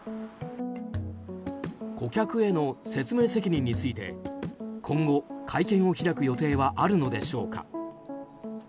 顧客への説明責任について今後、会見を開く予定はあるのでしょうか。